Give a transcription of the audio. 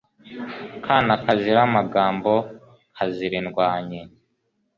kana Kazira amagambo, kazira indwanyi